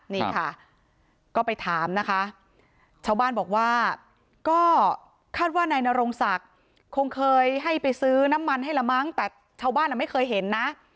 นี่ค่ะก็ไปถามนะคะชาวบ้านบอกว่าก็คาดว่านายนรงศักดิ์คงเคยให้ไปซื้อน้ำมันให้ละมั้งแต่ชาวบ้านไม่เคยเห็นนะ